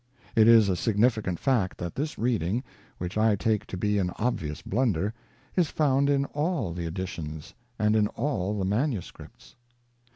It is a significant fact that this reading, which I take to be an obvious blunder, is found in all the editions, and in all the manuscripts.